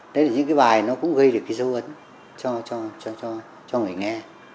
đấy là những cái bài nó cũng gây được cái dấu ấn cho người nghe